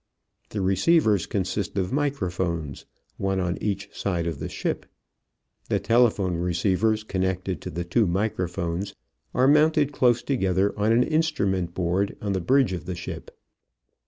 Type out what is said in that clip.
The receivers consist of microphones, one on each side of the ship. The telephone receivers connected to the two microphones are mounted close together on an instrument board on the bridge of the ship.